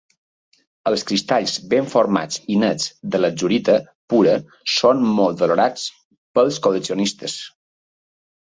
Els cristalls ben formats i nets de latzurita pura són molt valorats pels col·leccionistes.